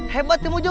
hebat ilmu jo